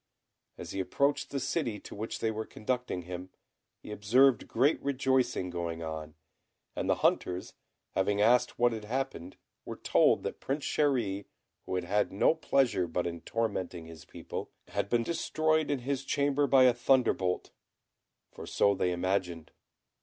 As he approached the city to which they were conducting him, he observed great rejoicing going on; and the hunters having asked what had happened, were told that Prince Chéri, who had had no pleasure but in tormenting his people, had been destroyed in his chamber by a thunderbolt, for so they imagined.